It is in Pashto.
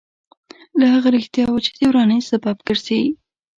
له هغه رښتیاوو چې د ورانۍ سبب ګرځي.